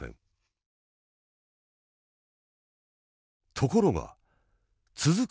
ところが続く